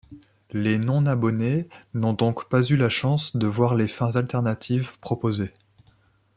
Les non-abonnés n'ont donc pas eu la chance de voir les fins alternatives proposées.